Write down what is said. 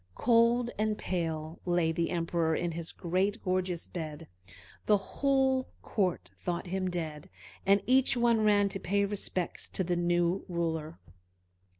Cold and pale lay the Emperor in his great, gorgeous bed; the whole court thought him dead, and each one ran to pay respect to the new ruler.